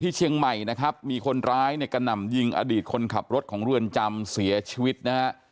เชียงใหม่นะครับมีคนร้ายเนี่ยกระหน่ำยิงอดีตคนขับรถของเรือนจำเสียชีวิตนะฮะ